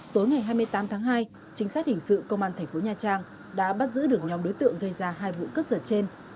tối ngày hai mươi tám tháng hai chính sách hình sự công an thành phố nha trang đã bắt giữ được nhóm đối tượng gây ra hai vụ cướp giật trên